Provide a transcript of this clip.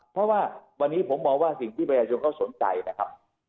เพราะว่าวันนี้ผมมองว่าสิ่งที่ประชาชนเขาสนใจนะครับ